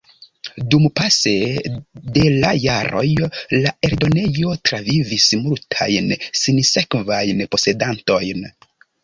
Dumpase de la jaroj la eldonejo travivis multajn sinsekvajn posedantojn.